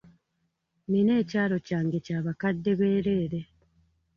Nina ekyalo kyange kya bakadde bereere.